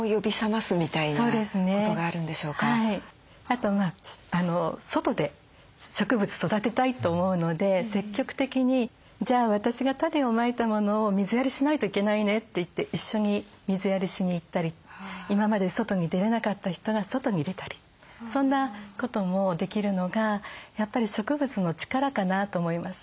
あと外で植物育てたいと思うので積極的に「じゃあ私が種をまいたものを水やりしないといけないね」って言って一緒に水やりしに行ったり今まで外に出れなかった人が外に出たりそんなこともできるのがやっぱり植物の力かなと思います。